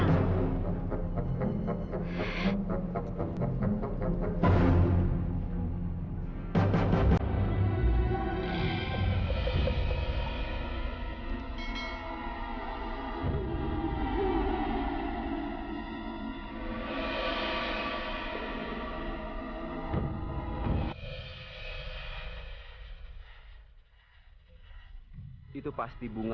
nanti aku pasti bisa